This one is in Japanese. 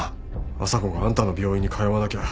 朝子があんたの病院に通わなきゃ。